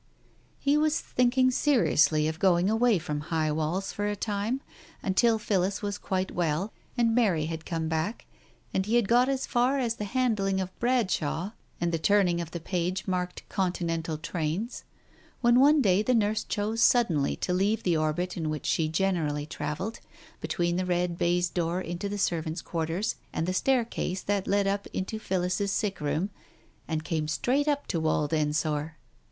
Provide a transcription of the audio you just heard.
He was thinking seriously of going away from High Walls for a time, until Phillis was quite well, and Mary had come back, and he had got as far as the handling of Bradshaw and the turning of the page marked Conti nental Trains, when one day the nurse chose suddenly to leave the orbit in which she generally travelled, between the red baize door into the servants' quarters and the staircase that led up into Phillis's sick room, and came straight up to Wald Ensor.